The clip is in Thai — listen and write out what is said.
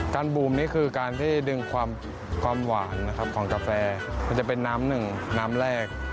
บูมนี่คือการที่ดึงความหวานนะครับของกาแฟมันจะเป็นน้ำหนึ่งน้ำแรก